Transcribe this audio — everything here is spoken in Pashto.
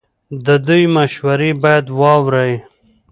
د دوی مشورې باید واورئ.